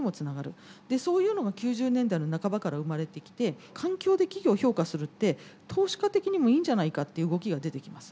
そういうのが９０年代の半ばから生まれてきて環境で企業を評価するって投資家的にもいいんじゃないかっていう動きが出てきます。